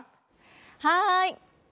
はい！